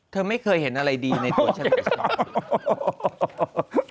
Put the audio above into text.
เธอไม่เคยเห็นอะไรดีในตัวฉัน